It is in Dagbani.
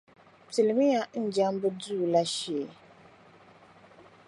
Pilimiya n jɛmbu duu la shee.